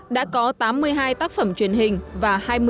đã có tám mươi hai tác phẩm truyền hình và hai mươi chín tác phẩm